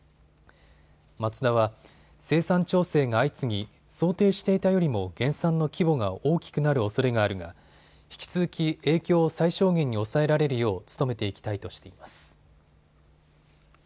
マツダは生産調整が相次ぎ想定していたよりも減産の規模が大きくなるおそれがあるが引き続き影響を最小限に抑えられるよう努めていきたいとしています。